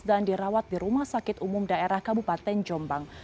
dan dirawat di rumah sakit umum daerah kabupaten jombang